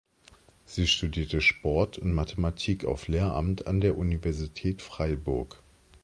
Sie studierte Sport und Mathematik auf Lehramt an der Universität Freiburg.